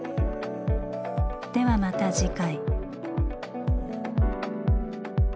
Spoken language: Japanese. ではまた次回。